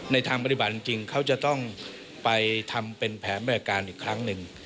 ทางปฏิบัติจริงเขาจะต้องไปทำเป็นแผนบริการอีกครั้งหนึ่ง